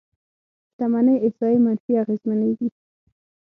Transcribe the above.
شتمنۍ احصایې منفي اغېزمنېږي.